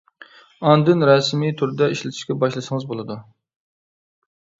ئاندىن رەسمىي تۈردە ئىشلىتىشكە باشلىسىڭىز بولىدۇ.